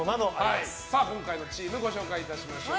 今回のチームご紹介いたしましょう。